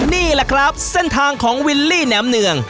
นี่แหละครับเส้นทางของวิลลี่แหนมเนือง